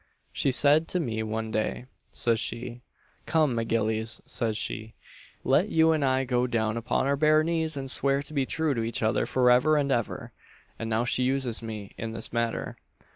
She said to me one day, says she, 'Come, M'Gillies,' says she, 'let you and I go down upon our bare knees and swear to be true to each other for ever and ever!' and now she uses me in this manner!